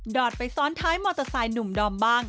อดไปซ้อนท้ายมอเตอร์ไซค์หนุ่มดอมบ้าง